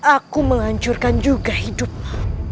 aku menghancurkan juga hidupmu